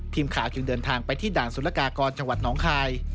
ทีมข่าวจึงเดินทางไปที่ด่านสุรกากรจังหวัดน้องคาย